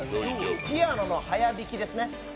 ピアノの速弾きですね。